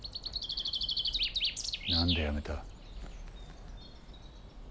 何でやめた？